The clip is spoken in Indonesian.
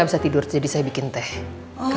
ada rukunya di senjata gue